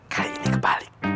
kali ini kebalik